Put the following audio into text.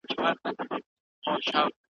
نه یې وېره د خالق نه د انسان وه `